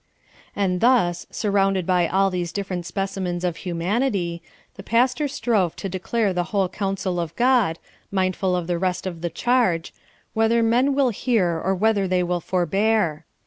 And thus, surrounded by all these different specimens of humanity, the pastor strove to declare the whole counsel of God, mindful of the rest of the charge, "whether men will hear or whether they will forbear."